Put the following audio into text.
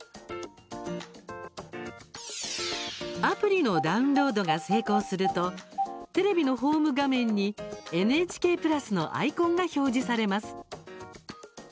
アプリのダウンロードが成功するとテレビのホーム画面にＮＨＫプラスのアイコンが表示されます。